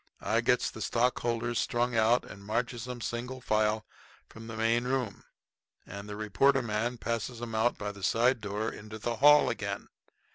I gets the stockholders strung out and marches 'em, single file, through from the main room; and the reporter man passes 'em out of the side door into the hall again.